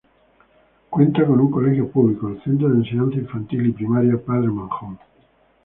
Cuenta con un colegio público, el Centro de Enseñanza Infantil y Primaria Padre Manjón.